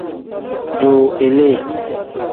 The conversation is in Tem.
Duu ilii.